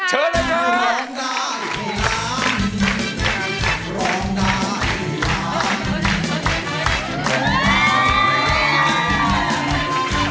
ร้องได้ให้ล้านกับพวกเราค่ะ